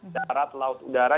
darat laut udara